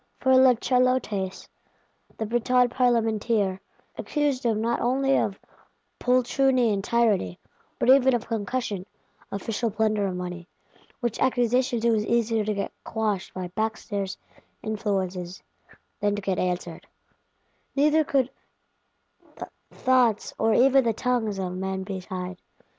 For La Chalotais, the Breton Parlementeer, accused him not only of poltroonery and tyranny, but even of concussion (official plunder of money); which accusations it was easier to get "quashed" by backstairs Influences than to get answered: neither could the thoughts, or even the tongues, of men be tied.